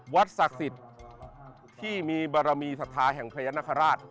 วัดศักดิ์สิทธิ์ที่มีบารมีศาสตราแห่งพญานากราช